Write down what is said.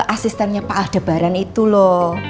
asistennya pak aldebaran itu loh